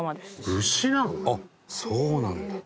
伊達：あっ、そうなんだ。